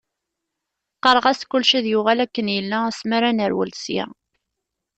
Qqareɣ-as kullec ad yuɣal akken yella asmi ara nerwel sya.